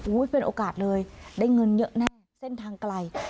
เป็นโอกาสเลยได้เงินเยอะแน่เส้นทางไกล